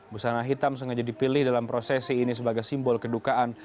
busana hitam sengaja dipilih dalam prosesi ini sebagai simbol kedukaan